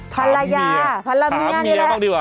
ฐานละเงีย